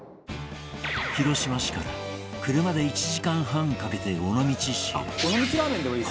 広島市から車で１時間半かけて尾道市へ